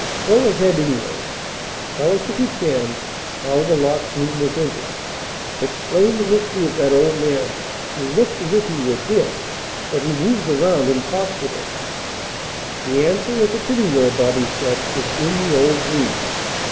Go ahead, anyway, and tell us, if you can, how the locked room was entered. Explain the mystery of that old man who looks as if he were dead, but who moves around and talks with us." "The answer, if it's anywhere," Bobby said, "is in the old room."